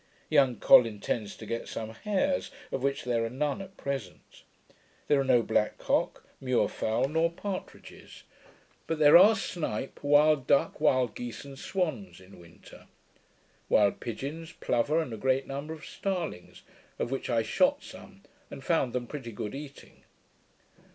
Young Col intends to get some hares, of which there are none at present. There are no black cock, muir fowl, nor partridges; but there are snipe, wild duck, wild geese, and swans, in winter; wild pidgeons, plover, and great number of starlings; of which I shot some, and found them pretty good eating.